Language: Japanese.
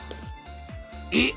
えっ！